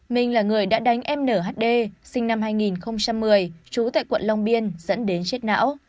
minh là người đã đánh em nhd sinh năm hai nghìn một mươi trú tại quận long biên dẫn đến chết não